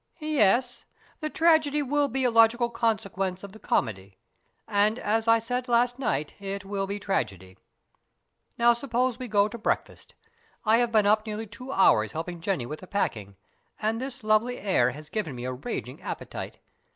"Yes, the tragedy will be a logical sequence of the comedy and, as I said last night, it will be tragedy. And now suppose we go to breakfast. I have been up nearly two hours helping Jenny with the packing, and this lovely air has given me a raging appetite.